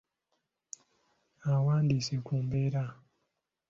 Awandiise ku mbeera.